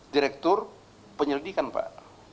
direktur penyidikan pak